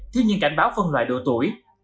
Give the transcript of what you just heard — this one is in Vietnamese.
thiếu những cảnh báo phân loại độ tuổi